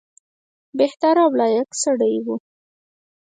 بهتر او لایق سړی وو.